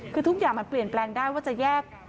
คือทุกอย่างมันเปลี่ยนแปลงได้ว่าจะแยก